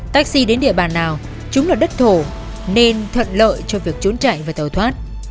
taxi đến địa bàn nào chúng là đất thổ nên thuận lợi cho việc trốn chạy và tàu thoát